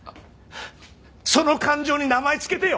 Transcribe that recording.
その感情に名前付けてよ！